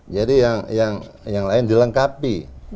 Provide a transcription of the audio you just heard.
jadi yang lain dilengkapi